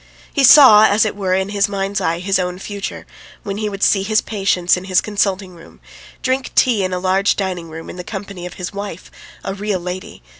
He saw, as it were in his mind's eye, his own future, when he would see his patients in his consulting room, drink tea in a large dining room in the company of his wife, a real lady.